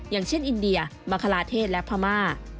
อย่างเช่นอินเดียมังคลาเทศและพม่า